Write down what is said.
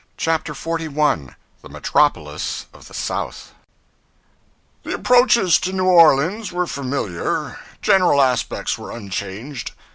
CHAPTER 41 The Metropolis of the South THE approaches to New Orleans were familiar; general aspects were unchanged.